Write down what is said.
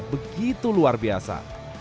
begitu luar biasa